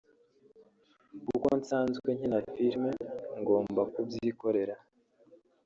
kuko nsanzwe nkina filime ngomba kubyikorera